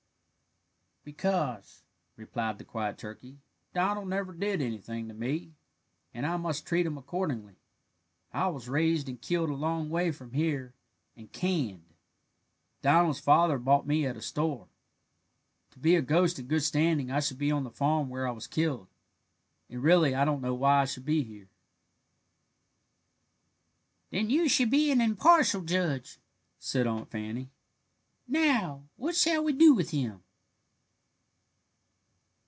"Because," replied the quiet turkey, "Donald never did anything to me, and I must treat him accordingly. I was raised and killed a long way from here, and canned. Donald's father bought me at a store. To be a ghost in good standing I should be on the farm where I was killed, and really I don't know why I should be here." "Then you should be an impartial judge," said Aunt Fanny. "Now what shall we do with him?"